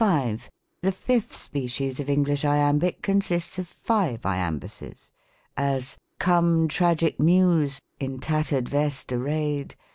The fifth species of English Iambic consists of Jive Iambuses : as, "Come, Tragic Muse, in tatter'd vest arnly'd.